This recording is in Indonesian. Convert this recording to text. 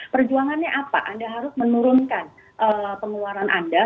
perjuangannya apa anda harus menurunkan pengeluaran anda